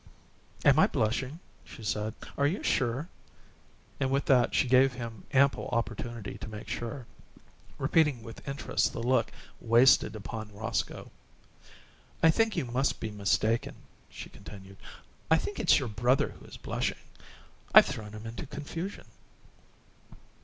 "Am I blushing?" she said. "Are you sure?" And with that she gave him ample opportunity to make sure, repeating with interest the look wasted upon Roscoe. "I think you must be mistaken," she continued. "I think it's your brother who is blushing. I've thrown him into confusion."